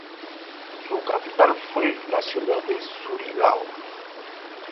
Su capital fue la ciudad de Surigao.